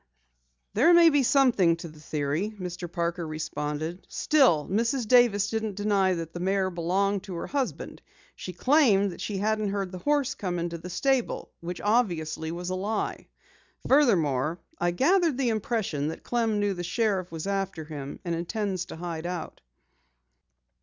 "There may be something to the theory," Mr. Parker responded. "Still, Mrs. Davis didn't deny that the mare belonged to her husband. She claimed that she hadn't heard the horse come into the stable, which obviously was a lie. Furthermore, I gathered the impression that Clem knew the sheriff was after him, and intends to hide out."